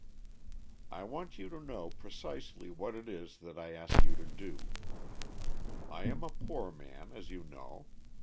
I want you to know precisely what it is that I ask you to do. I am a poor man, as you know.